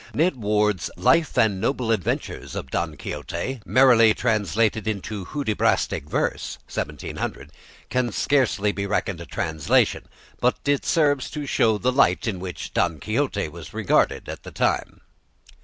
Ned Ward's "Life and Notable Adventures of Don Quixote, merrily translated into Hudibrastic Verse" (1700), can scarcely be reckoned a translation, but it serves to show the light in which "Don Quixote" was regarded at the time.